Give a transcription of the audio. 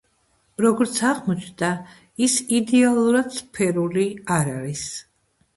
როგორც აღმოჩნდა, ის იდეალურად სფერული არ არის.